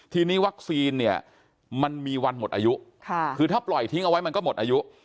ทีนี้วัคซีนเนี่ยมันมีวันหมดอายุคือถ้าปล่อยทิ้งเอาไว้มันก็หมดอายุ